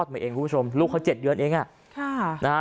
มาเองคุณผู้ชมลูกเขา๗เดือนเอง